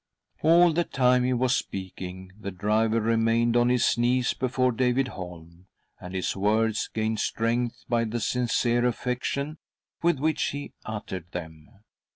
All the time he was speaking, the driver remained on his knees before David Holm, and his words gained strength by the sincere affection with which . he uttered them.